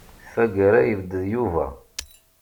Tagara, yebded Yuba.